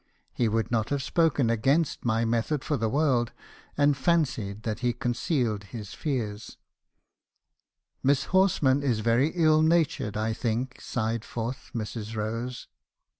He would not have spoken against my method for the world, and fancied that he concealed his fears. "'Miss Horsman is very ill natured, I think,' sighed forth Mrs. Rose. 19* 232 fait. HABMSOn's CONFESSIONS.